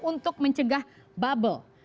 untuk mencegah bubble